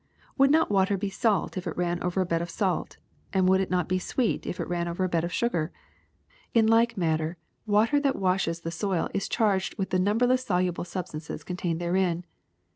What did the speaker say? Would not water be salt if it ran over a bed of salt, and would it not be sweet if it ran over a bed of sugar? In like manner water that washes the soil is charged with the numberless soluble sub stances contained therein.